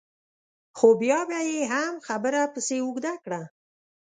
خو بیا به یې هم خبره پسې اوږده کړه.